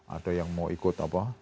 ada yang mau ikut apa